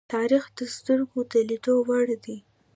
تاریخ د سترگو د لیدو وړ دی.